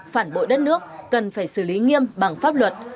phản bội đất nước cần phải xử lý nghiêm bằng pháp luật